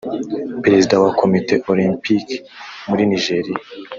Peresida wa Komite Olympike muri Nigeria